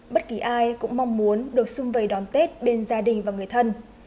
bất kỳ ai cũng mong muốn được xung vầy đón tết bên gia đình và người thân